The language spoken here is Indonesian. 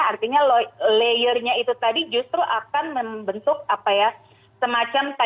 artinya layernya itu tadi justru akan membentuk apa ya semacam tadi kan kepingan kepingan tadi ya mas ya hasil dari otopsi yang pertama